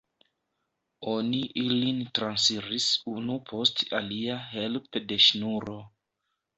Oni ilin transiris unu post alia helpe de ŝnuro.